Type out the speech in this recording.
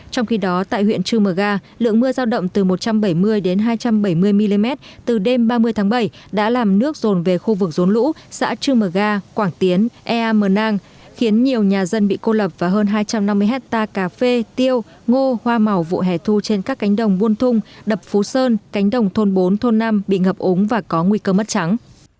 trong khi đó tại huyện trư mờ ga lượng mưa giao động từ một trăm bảy mươi đến hai trăm bảy mươi mm từ đêm ba mươi tháng bảy đã làm nước rồn về khu vực rốn lũ xã trư mờ ga quảng tiến ea mờ nang khiến nhiều nhà dân bị cô lập và hơn hai trăm năm mươi hecta cà phê tiêu ngô hoa màu vụ hẻ thu trên các cánh đồng buôn thung đập phú sơn cánh đồng thôn bốn thôn năm bị ngập úng và có nguy cơ mất trắng